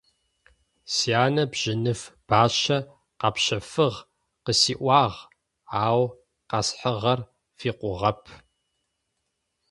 Сянэ бжьыныф бащэ къэпщэфыгъ къысиӏуагъ, ау къэсхьыгъэр фикъугъэп.